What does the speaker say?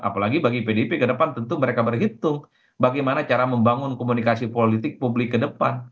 apalagi bagi pdip ke depan tentu mereka berhitung bagaimana cara membangun komunikasi politik publik ke depan